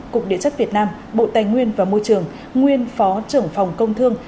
cục địa chất việt nam bộ tài nguyên và môi trường nguyên phó trưởng phòng công thương